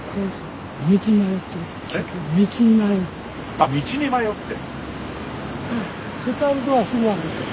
あっ道に迷って。